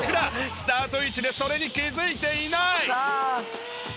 スタート位置でそれに気付いていない。